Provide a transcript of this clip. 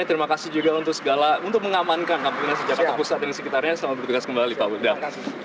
terima kasih juga untuk segala untuk mengamankan kampusnya jakarta pusat dan sekitarnya selamat berjaga jaga kembali pak budha